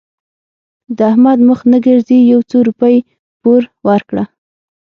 د احمد مخ نه ګرځي؛ يو څو روپۍ پور ورکړه.